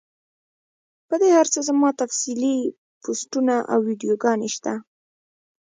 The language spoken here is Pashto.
پۀ دې هر څۀ زما تفصیلي پوسټونه او ويډيوګانې شته